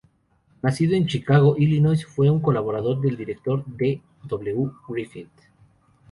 Nacido en Chicago, Illinois, fue un colaborador del director D. W. Griffith.